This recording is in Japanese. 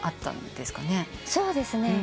そうですね。